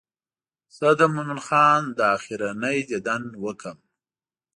زه د مومن خان دا آخرنی دیدن وکړم.